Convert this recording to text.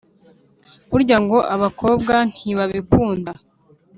burya ngo abakobwa ntibabikunda,